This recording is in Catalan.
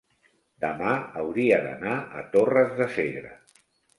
demà hauria d'anar a Torres de Segre.